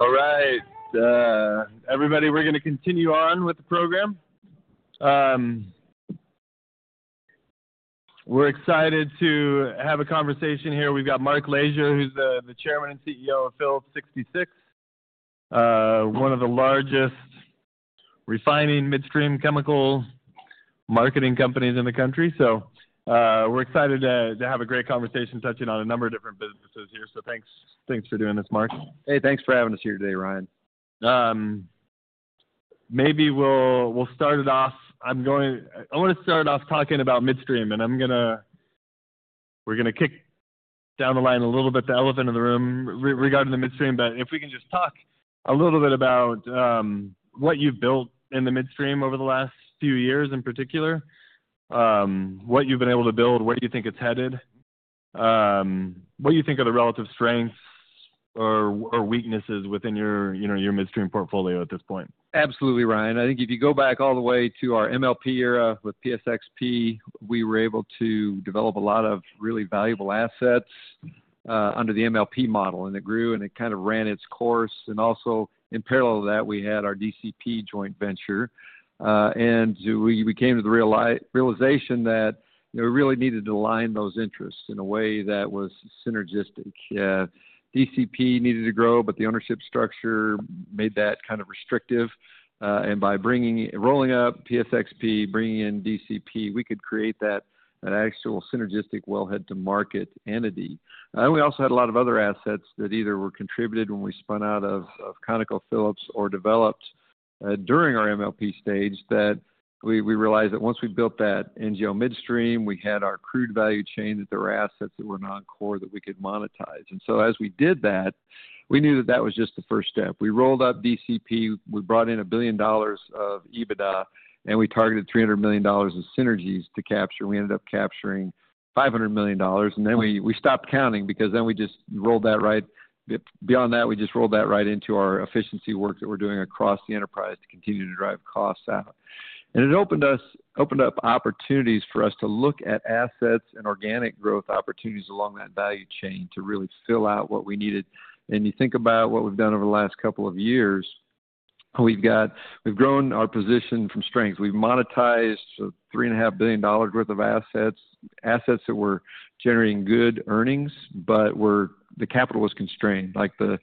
All right. Everybody, we're going to continue on with the program. We're excited to have a conversation here. We've got Mark Lashier, who's the Chairman and CEO of Phillips 66, one of the largest Refining, Midstream, Chemical, Marketing companies in the country. We're excited to have a great conversation touching on a number of different businesses here. Thanks for doing this, Mark. Hey, thanks for having us here today, Ryan. Maybe we'll start it off. I want to start off talking about Midstream, and we're going to kick down the line a little bit the elephant in the room regarding the Midstream. If we can just talk a little bit about what you've built in the Midstream over the last few years in particular, what you've been able to build, where you think it's headed, what you think are the relative strengths or weaknesses within your Midstream portfolio at this point. Absolutely, Ryan. I think if you go back all the way to our MLP era with PSXP, we were able to develop a lot of really valuable assets under the MLP model, and it grew and it kind of ran its course. Also, in parallel to that, we had our DCP joint venture, and we came to the realization that we really needed to align those interests in a way that was synergistic. DCP needed to grow, but the ownership structure made that kind of restrictive. By rolling up PSXP, bringing in DCP, we could create that actual synergistic wellhead-to-market entity. We also had a lot of other assets that either were contributed when we spun out of ConocoPhillips or developed during our MLP stage that we realized that once we built that NGL Midstream, we had our crude value chain that there were assets that were non-core that we could monetize. As we did that, we knew that was just the first step. We rolled up DCP, we brought in $1 billion of EBITDA, and we targeted $300 million of synergies to capture. We ended up capturing $500 million, and then we stopped counting because then we just rolled that right. Beyond that, we just rolled that right into our efficiency work that we're doing across the enterprise to continue to drive costs out. It opened up opportunities for us to look at assets and organic growth opportunities along that value chain to really fill out what we needed. You think about what we have done over the last couple of years, we have grown our position from strengths. We have monetized $3.5 billion worth of assets, assets that were generating good earnings, but the capital was constrained, like the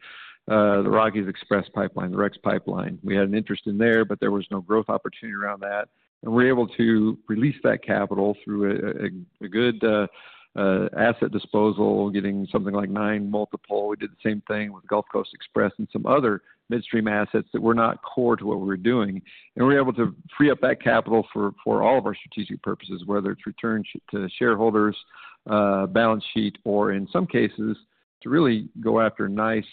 Rockies Express Pipeline, the REX Pipeline. We had an interest in there, but there was no growth opportunity around that. We were able to release that capital through a good asset disposal, getting something like nine multiple. We did the same thing with Gulf Coast Express and some other Midstream assets that were not core to what we were doing. We are able to free up that capital for all of our strategic purposes, whether it is returns to shareholders, balance sheet, or in some cases to really go after nice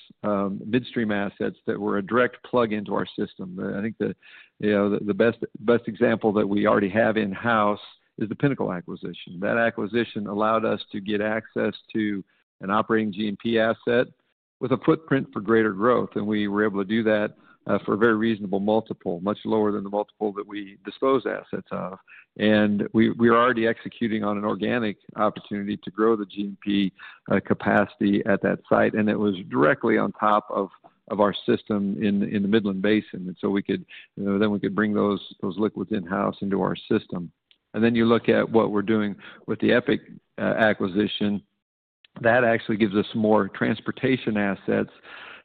Midstream assets that were a direct plug into our system. I think the best example that we already have in-house is the Pinnacle acquisition. That acquisition allowed us to get access to an operating G&P asset with a footprint for greater growth. We were able to do that for a very reasonable multiple, much lower than the multiple that we dispose assets of. We were already executing on an organic opportunity to grow the G&P capacity at that site. It was directly on top of our system in the Midland Basin. We could bring those liquids in-house into our system. You look at what we are doing with the EPIC acquisition. That actually gives us more transportation assets,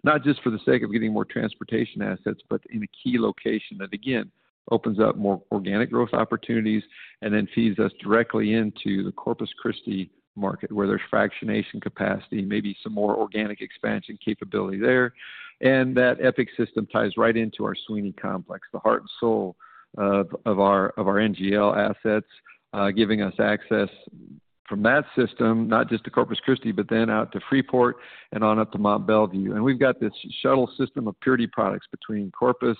not just for the sake of getting more transportation assets, but in a key location that, again, opens up more organic growth opportunities and then feeds us directly into the Corpus Christi market where there is fractionation capacity, maybe some more organic expansion capability there. That EPIC system ties right into our Sweeny complex, the heart and soul of our NGL assets, giving us access from that system, not just to Corpus Christi, but then out to Freeport and on up to Mont Belvieu. We have this shuttle system of purity products between Corpus,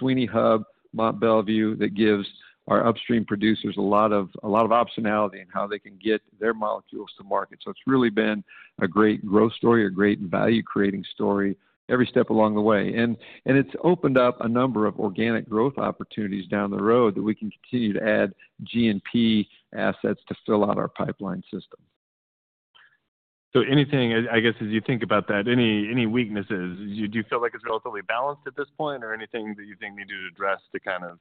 Sweeny Hub, Mont Belvieu that gives our upstream producers a lot of optionality in how they can get their molecules to market. It has really been a great growth story, a great value-creating story every step along the way. It has opened up a number of organic growth opportunities down the road that we can continue to add G&P assets to fill out our Pipeline system. Anything, I guess, as you think about that, any weaknesses? Do you feel like it's relatively balanced at this point, or anything that you think needed addressed to kind of?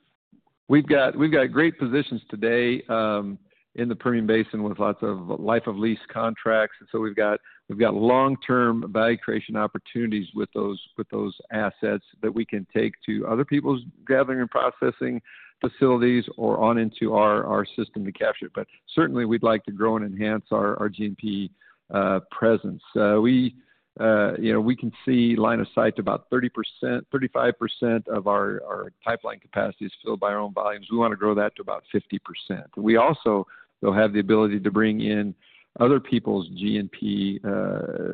We've got great positions today in the Permian Basin with lots of life-of-lease contracts. We have long-term value creation opportunities with those assets that we can take to other people's gathering and processing facilities or on into our system to capture it. Certainly, we'd like to grow and enhance our G&P presence. We can see line of sight about 35% of our pipeline capacity is filled by our own volumes. We want to grow that to about 50%. We also will have the ability to bring in other people's G&P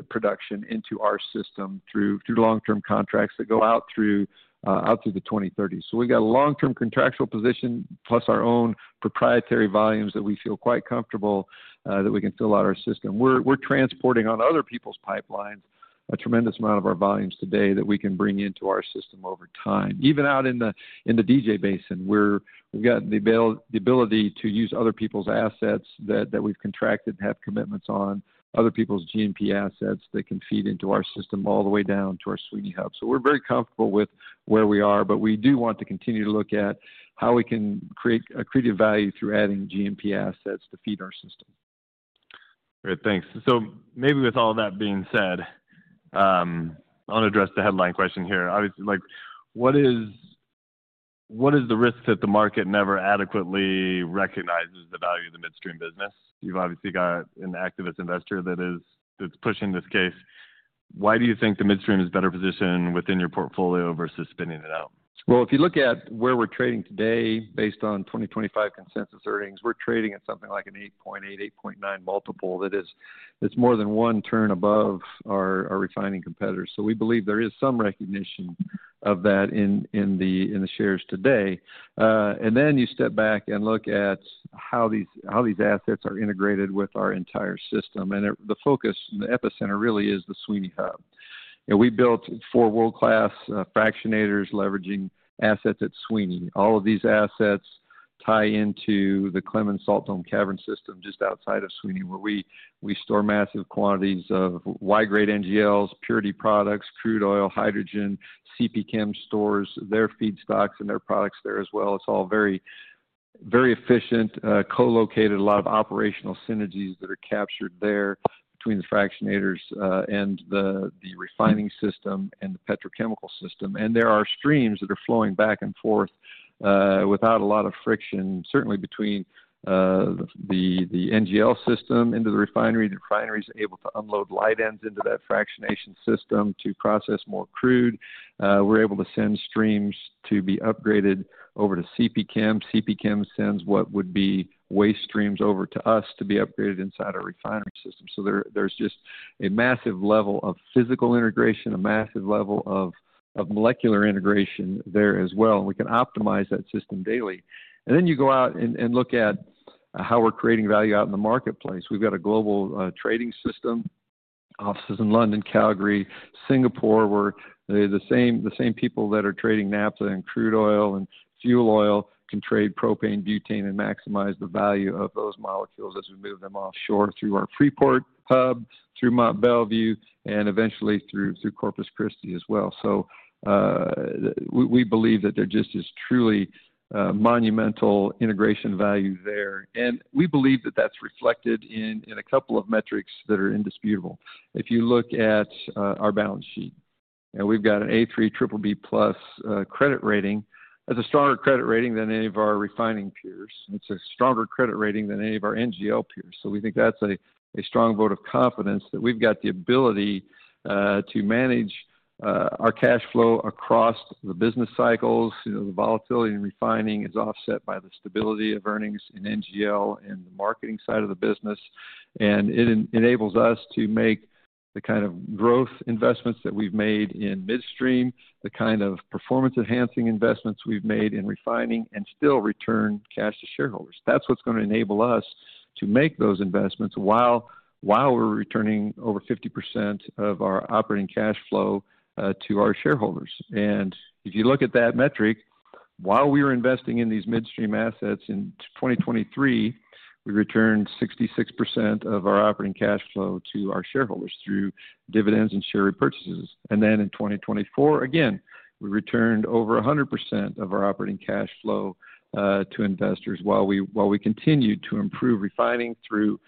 production into our system through long-term contracts that go out through the 2030s. We have a long-term contractual position plus our own proprietary volumes that we feel quite comfortable that we can fill out our system. We're transporting on other people's pipelines a tremendous amount of our volumes today that we can bring into our system over time. Even out in the DJ Basin, we've got the ability to use other people's assets that we've contracted to have commitments on, other people's G&P assets that can feed into our system all the way down to our Sweeny Hub. We are very comfortable with where we are, but we do want to continue to look at how we can create accretive value through adding GMP assets to feed our system. Great. Thanks. Maybe with all that being said, I want to address the headline question here. What is the risk that the market never adequately recognizes the value of the Midstream business? You've obviously got an activist investor that's pushing this case. Why do you think the Midstream is a better position within your portfolio versus spinning it out? If you look at where we're trading today, based on 2025 consensus earnings, we're trading at something like an 8.8, 8.9 multiple. That's more than one turn above our refining competitors. We believe there is some recognition of that in the shares today. You step back and look at how these assets are integrated with our entire system. The focus in the epicenter really is the Sweeny Hub. We built four world-class fractionators leveraging assets at Sweeny. All of these assets tie into the Clemens Salt Cavern system just outside of Sweeny, where we store massive quantities of Y-grade NGLs, purity products, crude oil, hydrogen. CPChem stores their feedstocks and their products there as well. It's all very efficient, co-located, a lot of operational synergies that are captured there between the fractionators and the refining system and the petrochemical system. There are streams that are flowing back and forth without a lot of friction, certainly between the NGL system into the refinery. The refinery is able to unload light ends into that fractionation system to process more crude. We're able to send streams to be upgraded over to CPChem. CPChem sends what would be waste streams over to us to be upgraded inside our refinery system. There is just a massive level of physical integration, a massive level of molecular integration there as well. We can optimize that system daily. You go out and look at how we're creating value out in the marketplace. We've got a global trading system, offices in London, Calgary, Singapore, where the same people that are trading naphtha and crude oil and fuel oil can trade propane, butane, and maximize the value of those molecules as we move them offshore through our Freeport hub, through Mont Belvieu, and eventually through Corpus Christi as well. We believe that there just is truly monumental integration value there. We believe that that's reflected in a couple of metrics that are indisputable. If you look at our balance sheet, we've got an A3/BBB+ credit rating. That's a stronger credit rating than any of our refining peers. It's a stronger credit rating than any of our NGL peers. We think that's a strong vote of confidence that we've got the ability to manage our cash flow across the business cycles. The volatility in refining is offset by the stability of earnings in NGL and the marketing side of the business. It enables us to make the kind of growth investments that we've made in Midstream, the kind of performance-enhancing investments we've made in refining, and still return cash to shareholders. That's what's going to enable us to make those investments while we're returning over 50% of our operating cash flow to our shareholders. If you look at that metric, while we were investing in these Midstream assets in 2023, we returned 66% of our operating cash flow to our shareholders through dividends and share repurchases. In 2024, again, we returned over 100% of our operating cash flow to investors while we continued to improve refining through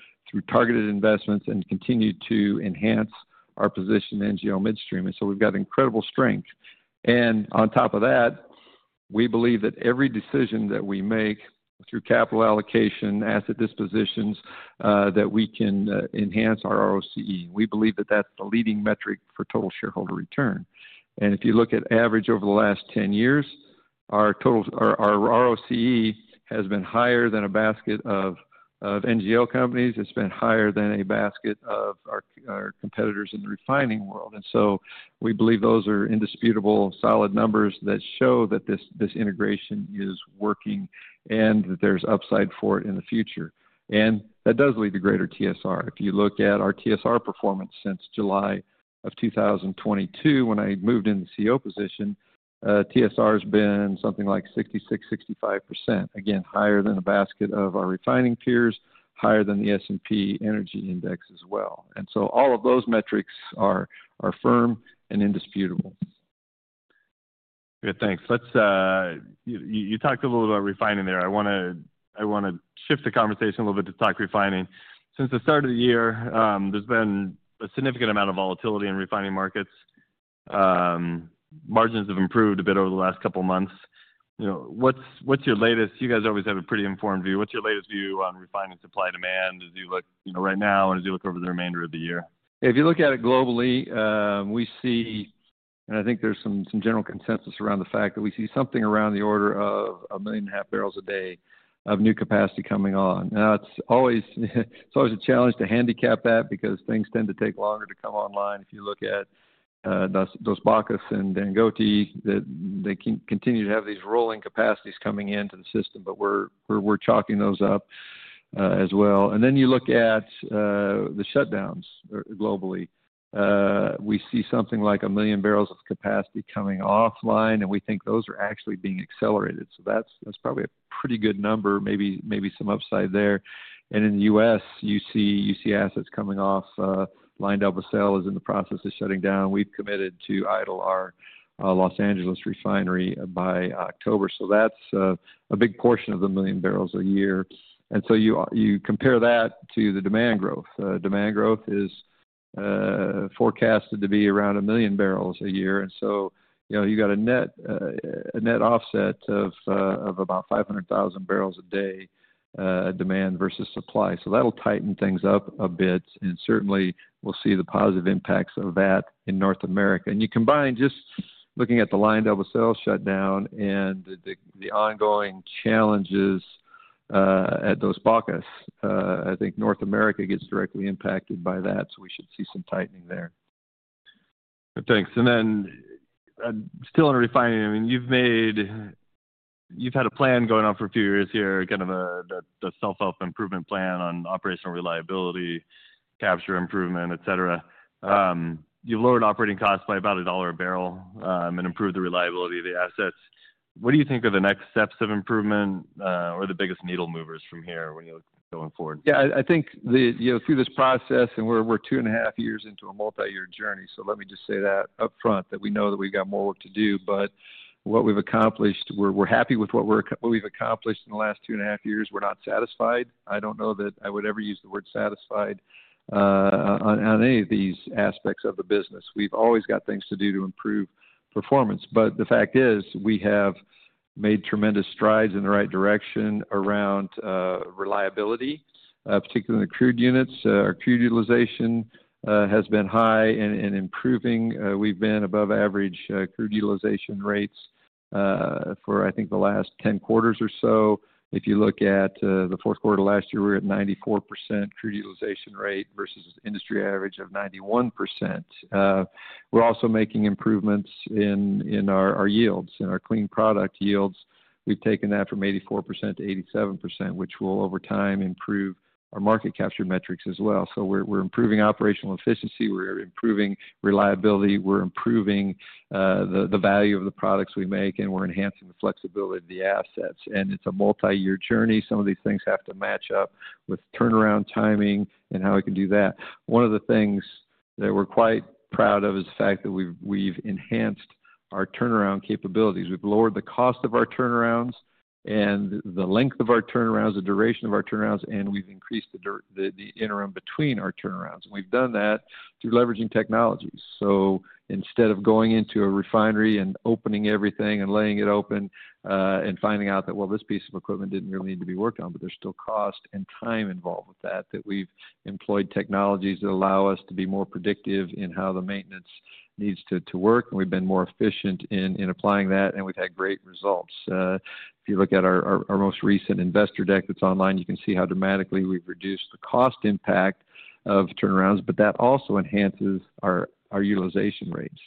targeted investments and continued to enhance our position in NGL Midstream. We've got incredible strength. We believe that every decision that we make through capital allocation, asset dispositions, that we can enhance our ROCE. We believe that that's the leading metric for total shareholder return. If you look at average over the last 10 years, our ROCE has been higher than a basket of NGL companies. It's been higher than a basket of our competitors in the refining world. We believe those are indisputable, solid numbers that show that this integration is working and that there's upside for it in the future. That does lead to greater TSR. If you look at our TSR performance since July of 2022, when I moved into the CEO position, TSR has been something like 66%-65%, again, higher than a basket of our refining peers, higher than the S&P Energy Index as well. All of those metrics are firm and indisputable. Great. Thanks. You talked a little about refining there. I want to shift the conversation a little bit to talk refining. Since the start of the year, there's been a significant amount of volatility in refining markets. Margins have improved a bit over the last couple of months. What's your latest? You guys always have a pretty informed view. What's your latest view on refining supply demand as you look right now and as you look over the remainder of the year? If you look at it globally, we see, and I think there's some general consensus around the fact that we see something around the order of a million and a half barrels a day of new capacity coming on. It's always a challenge to handicap that because things tend to take longer to come online. If you look at Dos Bocas and Dangote, they continue to have these rolling capacities coming into the system, but we're chalking those up as well. You look at the shutdowns globally, we see something like a million barrels of capacity coming offline, and we think those are actually being accelerated. That's probably a pretty good number, maybe some upside there. In the U.S., you see assets coming off. Los Angeles Refinery is in the process of shutting down. We've committed to idle our Los Angeles Refinery by October. That's a big portion of the million barrels a year. You compare that to the demand growth. Demand growth is forecasted to be around a million barrels a year. You have a net offset of about 500,000 barrels a day demand versus supply. That will tighten things up a bit. Certainly, we'll see the positive impacts of that in North America. You combine just looking at the Los Angeles Refinery shutdown and the ongoing challenges at Dos Bocas, I think North America gets directly impacted by that. We should see some tightening there. Thanks. Still in refining, I mean, you've had a plan going on for a few years here, kind of the self-help improvement plan on operational reliability, capture improvement, etc. You've lowered operating costs by about $1 a barrel and improved the reliability of the assets. What do you think are the next steps of improvement or the biggest needle movers from here going forward? Yeah. I think through this process, and we're two and a half years into a multi-year journey, let me just say that upfront that we know that we've got more work to do. What we've accomplished, we're happy with what we've accomplished in the last two and a half years. We're not satisfied. I don't know that I would ever use the word satisfied on any of these aspects of the business. We've always got things to do to improve performance. The fact is we have made tremendous strides in the right direction around reliability, particularly in the crude units. Our crude utilization has been high and improving. We've been above average crude utilization rates for, I think, the last 10 quarters or so. If you look at the fourth quarter of last year, we were at 94% crude utilization rate versus industry average of 91%. We're also making improvements in our yields, in our clean product yields. We've taken that from 84% to 87%, which will, over time, improve our market capture metrics as well. We're improving operational efficiency. We're improving reliability. We're improving the value of the products we make, and we're enhancing the flexibility of the assets. It's a multi-year journey. Some of these things have to match up with turnaround timing and how we can do that. One of the things that we're quite proud of is the fact that we've enhanced our turnaround capabilities. We've lowered the cost of our turnarounds and the length of our turnarounds, the duration of our turnarounds, and we've increased the interim between our turnarounds. We've done that through leveraging technologies. Instead of going into a refinery and opening everything and laying it open and finding out that, well, this piece of equipment did not really need to be worked on, but there is still cost and time involved with that, we have employed technologies that allow us to be more predictive in how the maintenance needs to work. We have been more efficient in applying that, and we have had great results. If you look at our most recent investor deck that is online, you can see how dramatically we have reduced the cost impact of turnarounds, but that also enhances our utilization rates.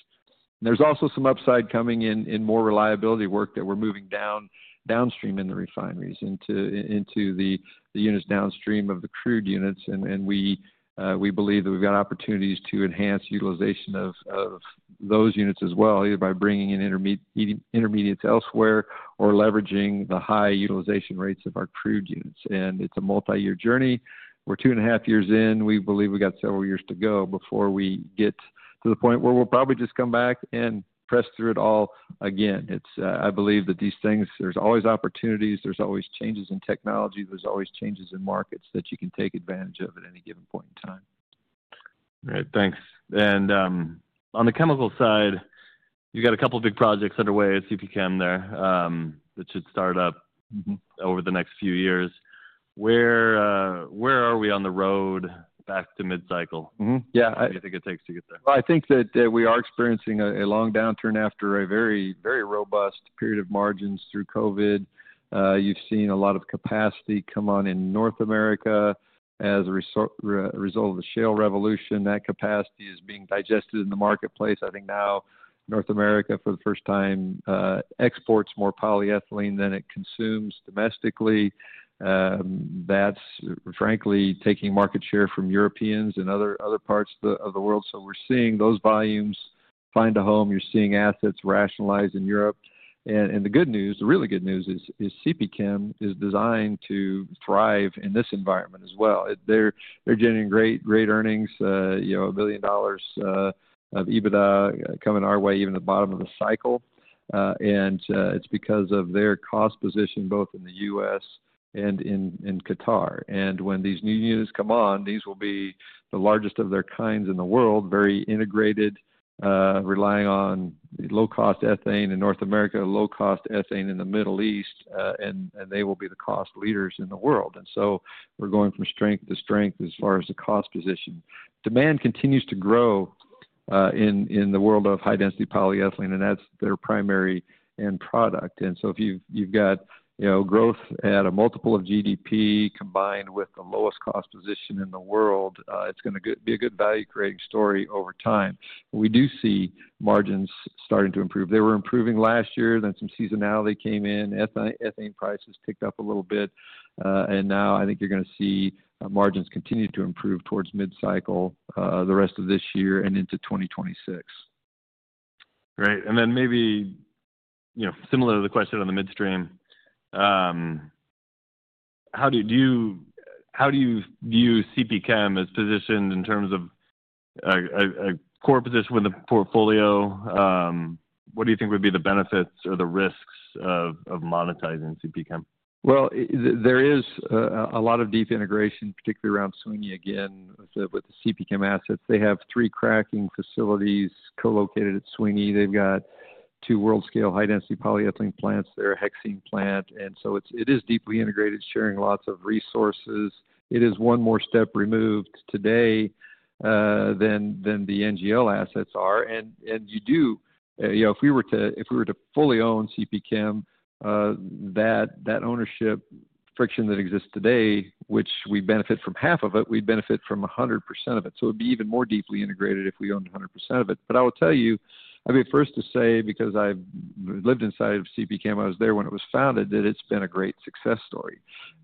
There is also some upside coming in more reliability work that we are moving downstream in the refineries into the units downstream of the crude units. We believe that we've got opportunities to enhance utilization of those units as well, either by bringing in intermediates elsewhere or leveraging the high utilization rates of our crude units. It's a multi-year journey. We're two and a half years in. We believe we've got several years to go before we get to the point where we'll probably just come back and press through it all again. I believe that these things, there's always opportunities. There's always changes in technology. There's always changes in markets that you can take advantage of at any given point in time. All right. Thanks. On the chemical side, you've got a couple of big projects underway at CPChem there that should start up over the next few years. Where are we on the road back to midcycle? What do you think it takes to get there? I think that we are experiencing a long downturn after a very robust period of margins through COVID. You've seen a lot of capacity come on in North America as a result of the shale revolution. That capacity is being digested in the marketplace. I think now North America, for the first time, exports more polyethylene than it consumes domestically. That's, frankly, taking market share from Europeans and other parts of the world. We are seeing those volumes find a home. You are seeing assets rationalize in Europe. The good news, the really good news is CPChem is designed to thrive in this environment as well. They are generating great earnings, a billion dollars of EBITDA coming our way even at the bottom of the cycle. It is because of their cost position both in the U.S. and in Qatar. When these new units come on, these will be the largest of their kinds in the world, very integrated, relying on low-cost ethane in North America, low-cost ethane in the Middle East, and they will be the cost leaders in the world. We are going from strength to strength as far as the cost position. Demand continues to grow in the world of high-density polyethylene, and that is their primary end product. If you have got growth at a multiple of GDP combined with the lowest cost position in the world, it is going to be a good value-creating story over time. We do see margins starting to improve. They were improving last year. Some seasonality came in. Ethane prices picked up a little bit. I think you are going to see margins continue to improve towards midcycle the rest of this year and into 2026. Great. Maybe similar to the question on the Midstream, how do you view CPChem as positioned in terms of a core position with the portfolio? What do you think would be the benefits or the risks of monetizing CPChem? There is a lot of deep integration, particularly around Sweeny again with the CPChem assets. They have three cracking facilities co-located at Sweeny. They've got two world-scale high-density polyethylene plants. They're a hexene plant. It is deeply integrated, sharing lots of resources. It is one more step removed today than the NGL assets are. If we were to fully own CPChem, that ownership friction that exists today, which we benefit from half of it, we'd benefit from 100% of it. It would be even more deeply integrated if we owned 100% of it. I will tell you, I'll be first to say, because I've lived inside of CPChem, I was there when it was founded, that it's been a great success story.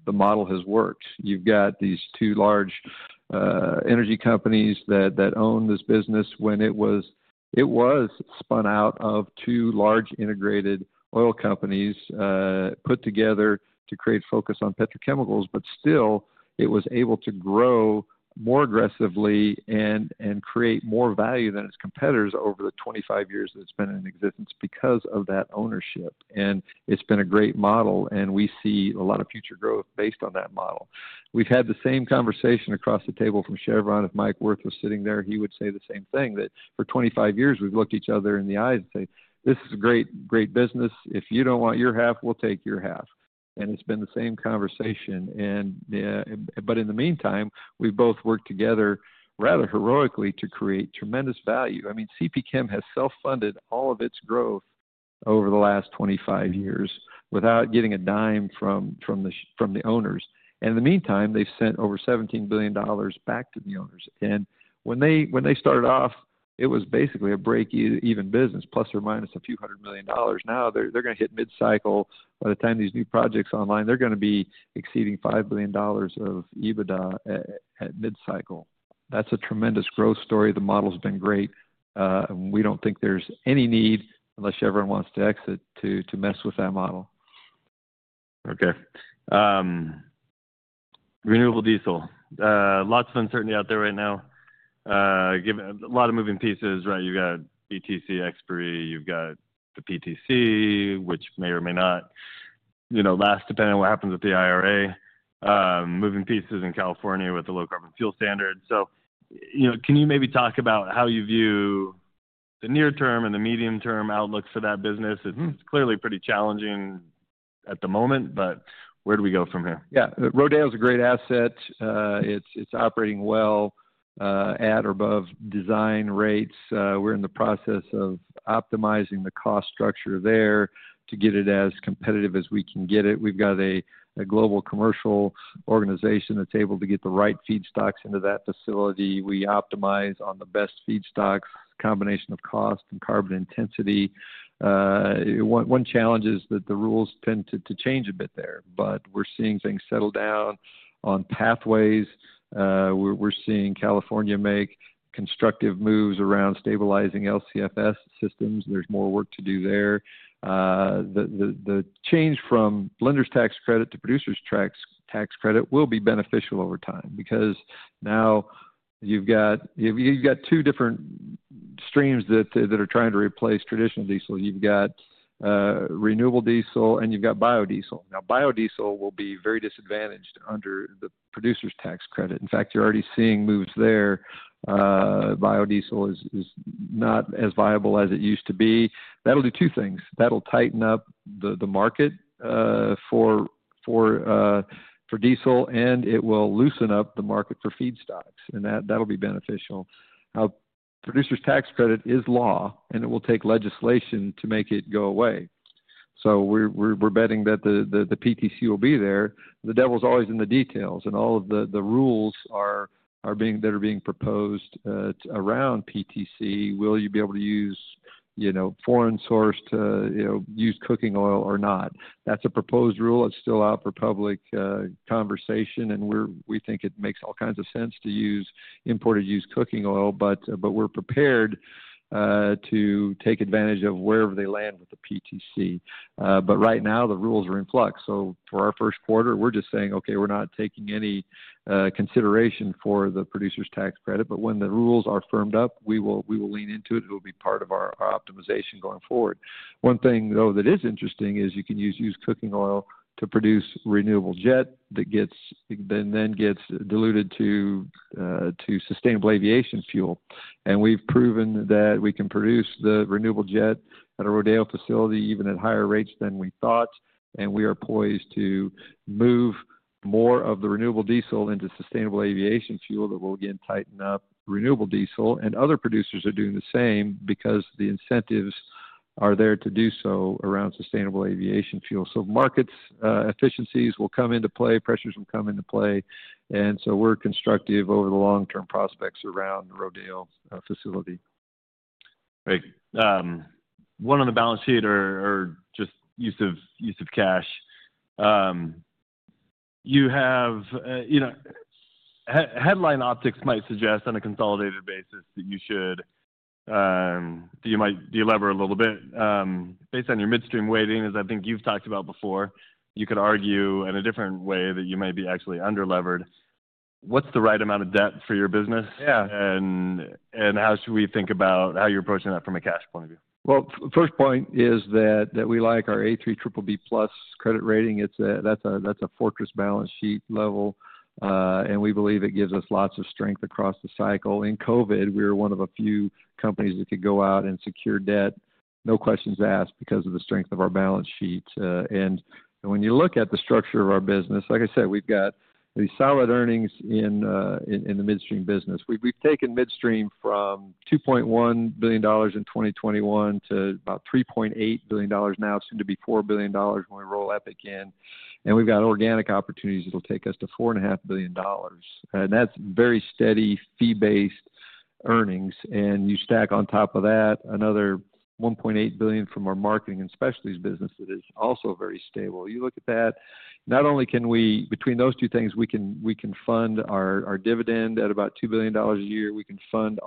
The model has worked. You've got these two large energy companies that own this business when it was spun out of two large integrated oil companies put together to create focus on petrochemicals, but still it was able to grow more aggressively and create more value than its competitors over the 25 years that it's been in existence because of that ownership. It's been a great model, and we see a lot of future growth based on that model. We've had the same conversation across the table from Chevron. If Mike Wirth was sitting there, he would say the same thing, that for 25 years, we've looked each other in the eyes and said, "This is a great business. If you don't want your half, we'll take your half." It's been the same conversation. In the meantime, we've both worked together rather heroically to create tremendous value. I mean, CPChem has self-funded all of its growth over the last 25 years without getting a dime from the owners. In the meantime, they've sent over $17 billion back to the owners. When they started off, it was basically a break-even business, plus or minus a few hundred million dollars. Now they're going to hit midcycle. By the time these new projects are online, they're going to be exceeding $5 billion of EBITDA at midcycle. That's a tremendous growth story. The model's been great. We don't think there's any need, unless Chevron wants to exit, to mess with that model. Okay. Renewable diesel. Lots of uncertainty out there right now. A lot of moving pieces, right? You've got BTC expiry. You've got the PTC, which may or may not last depending on what happens with the IRA. Moving pieces in California with the Low Carbon Fuel Standard. Can you maybe talk about how you view the near-term and the medium-term outlook for that business? It's clearly pretty challenging at the moment, but where do we go from here? Yeah. Rodeo is a great asset. It's operating well at or above design rates. We're in the process of optimizing the cost structure there to get it as competitive as we can get it. We've got a global commercial organization that's able to get the right feedstocks into that facility. We optimize on the best feedstocks, a combination of cost and carbon intensity. One challenge is that the rules tend to change a bit there, but we're seeing things settle down on pathways. We're seeing California make constructive moves around stabilizing LCFS systems. There's more work to do there. The change from Blenders Tax Credit to Producers Tax Credit will be beneficial over time because now you've got two different streams that are trying to replace traditional diesel. You've got renewable diesel, and you've got biodiesel. Now, biodiesel will be very disadvantaged under the Producers Tax Credit. In fact, you're already seeing moves there. Biodiesel is not as viable as it used to be. That'll do two things. That'll tighten up the market for diesel, and it will loosen up the market for feedstocks. That'll be beneficial. Producers Tax Credit is law, and it will take legislation to make it go away. We're betting that the PTC will be there. The devil's always in the details. All of the rules that are being proposed around PTC, will you be able to use foreign-sourced used cooking oil or not? That's a proposed rule. It's still out for public conversation. We think it makes all kinds of sense to use imported used cooking oil, but we're prepared to take advantage of wherever they land with the PTC. Right now, the rules are in flux. For our first quarter, we're just saying, "Okay, we're not taking any consideration for the Producer Tax Credit." When the rules are firmed up, we will lean into it. It will be part of our optimization going forward. One thing, though, that is interesting is you can use used cooking oil to produce renewable jet that then gets diluted to sustainable aviation fuel. We've proven that we can produce the renewable jet at a Rodeo facility, even at higher rates than we thought. We are poised to move more of the renewable diesel into sustainable aviation fuel that will again tighten up renewable diesel. Other producers are doing the same because the incentives are there to do so around sustainable aviation fuel. Market efficiencies will come into play. Pressures will come into play We're constructive over the long-term prospects around the Rodeo facility. Great. One on the balance sheet or just use of cash. You have headline optics might suggest on a consolidated basis that you should delever a little bit. Based on your Midstream weighting, as I think you've talked about before, you could argue in a different way that you might be actually underlevered. What's the right amount of debt for your business? And how should we think about how you're approaching that from a cash point of view? First point is that we like our A3/BBB plus credit rating. That is a fortress balance sheet level. We believe it gives us lots of strength across the cycle. In COVID, we were one of a few companies that could go out and secure debt, no questions asked, because of the strength of our balance sheet. When you look at the structure of our business, like I said, we have got solid earnings in the Midstream business. We have taken Midstream from $2.1 billion in 2021 to about $3.8 billion now, soon to be $4 billion when we roll up again. We have got organic opportunities that will take us to $4.5 billion. That is very steady fee-based earnings. You stack on top of that another $1.8 billion from our marketing and specialties business that is also very stable. You look at that, not only can we between those two things, we can fund our dividend at about $2 billion a year. We can fund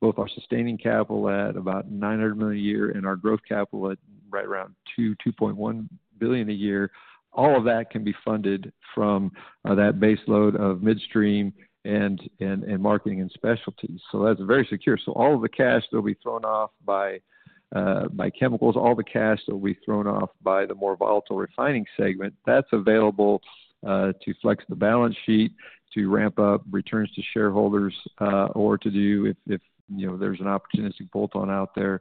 both our sustaining capital at about $900 million a year and our growth capital at right around $2.1 billion a year. All of that can be funded from that baseload of Midstream and marketing and specialties. That is very secure. All of the cash that will be thrown off by chemicals, all the cash that will be thrown off by the more volatile refining segment, that is available to flex the balance sheet, to ramp up returns to shareholders, or to do if there is an opportunistic bolt-on out there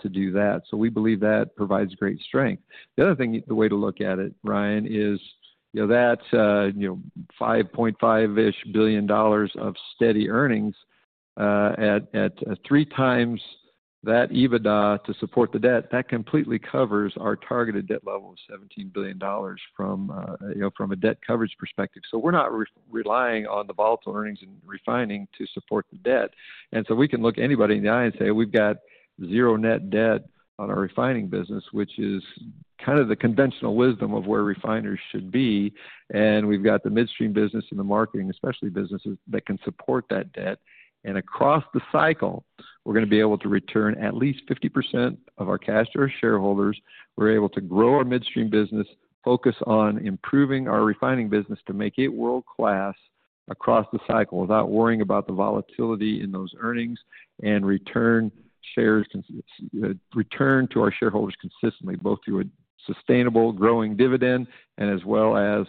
to do that. We believe that provides great strength. The other thing, the way to look at it, Ryan, is that $5.5 billion-ish of steady earnings at three times that EBITDA to support the debt, that completely covers our targeted debt level of $17 billion from a debt coverage perspective. We are not relying on the volatile earnings in refining to support the debt. We can look anybody in the eye and say, "We've got zero net debt on our refining business," which is kind of the conventional wisdom of where refiners should be. We have the Midstream business and the marketing, especially businesses that can support that debt. Across the cycle, we are going to be able to return at least 50% of our cash to our shareholders. We're able to grow our Midstream business, focus on improving our refining business to make it world-class across the cycle without worrying about the volatility in those earnings and return to our shareholders consistently, both through a sustainable growing dividend as well as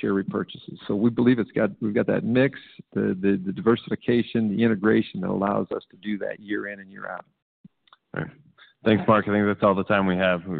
share repurchases. We believe we've got that mix, the diversification, the integration that allows us to do that year in and year out. All right. Thanks, Mark. I think that's all the time we have.